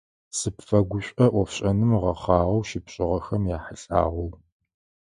Сыпфэгушӏо ӏофшӏэным гъэхъагъэу щыпшӏыгъэхэм яхьылӏагъэу.